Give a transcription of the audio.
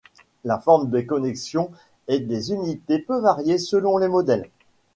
La forme des connexions et des unités peut varier selon les modèles.